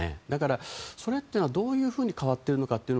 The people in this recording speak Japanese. だから、それっていうのはどういうふうに変わっているのか